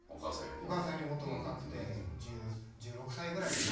お母さんよりもっと若くて１６歳ぐらいかな。